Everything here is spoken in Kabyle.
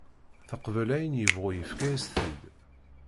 Teqbel ayen yebɣu yefka-as-t-id.